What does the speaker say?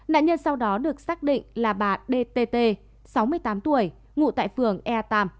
nạn nhân sau đó được xác định là bà dtt sáu mươi tám tuổi ngụ tại phường e ba